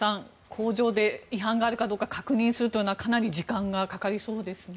工場で違反があるかどうか確認するというのはかなり時間がかかりそうですね。